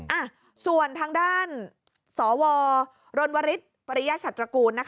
อ้าส่วนทางด้านสวลวรูลวริสฯปริยชัฏรกร